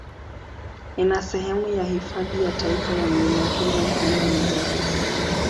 Ina sehemu ya Hifadhi ya Taifa ya Mlima Kenya upande wa magharibi.